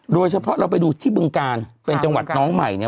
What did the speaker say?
โดยเฉพาะเราไปดูที่บึงกาลเป็นจังหวัดน้องใหม่เนี่ย